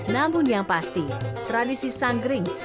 namun yang pasti tradisi sanggering